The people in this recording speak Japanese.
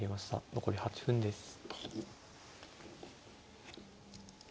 残り８分です。